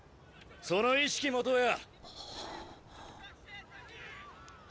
その意識持とうや。